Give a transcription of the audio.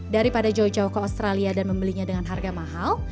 daripada jauh jauh ke australia dan membelinya dengan harga mahal